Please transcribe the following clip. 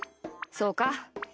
そうか。